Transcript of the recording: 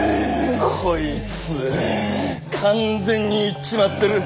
こいつ完全にイっちまってる。